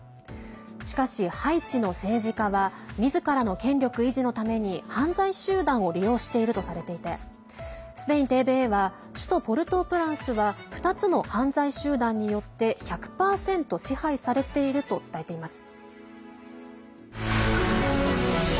しかし、ハイチの政治家はみずからの権力維持のために犯罪集団を利用しているとされていてスペインＴＶＥは首都ポルトープランスは２つの犯罪集団によって１００％支配されていると伝えています。